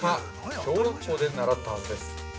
小学校で習ったはずです。